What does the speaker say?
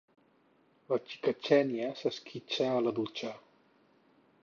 La xica Xènia s'esquitxa a la dutxa.